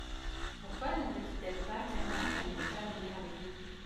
Pourquoi ne nous dit-elle pas clairement qu'elle ne veut pas vnier avec nous ?